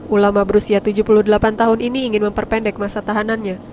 ulama berusia tujuh puluh delapan tahun ini ingin memperpendek masa tahanannya